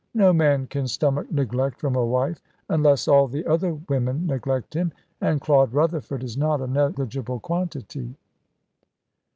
No man can stomach neglect from a wife; unless all the other women neglect him. And Claude Rutherford is not a negligible quantity."